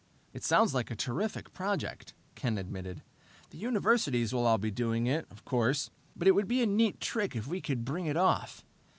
"It sounds like a terrific project," Ken admitted. "The universities will all be doing it, of course, but it would still be a neat trick if we could bring it off.